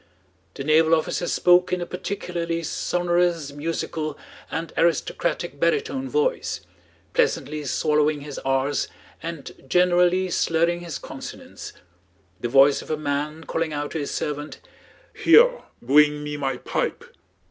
The naval officer spoke in a particularly sonorous, musical, and aristocratic baritone voice, pleasantly swallowing his r's and generally slurring his consonants: the voice of a man calling out to his servant, "Heah! Bwing me my pipe!"